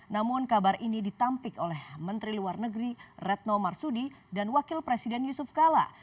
namun kabar ini ditampik oleh menteri luar negeri retno marsudi dan wakil presiden yusuf kala